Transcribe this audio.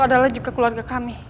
adalah juga keluarga kami